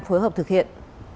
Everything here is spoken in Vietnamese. phối hợp thực hiện